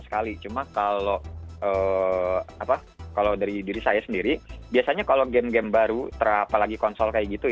sekali cuma kalau apa kalau dari diri saya sendiri biasanya kalau game game baru terapal lagi konsol